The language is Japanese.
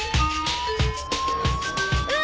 うわ！